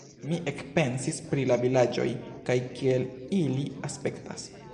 Mi ekpensis pri la vilaĝoj kaj kiel ili aspektas.